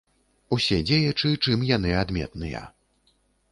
Усе дзеячы, чым яны адметныя.